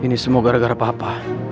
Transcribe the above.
ini semua gara gara papa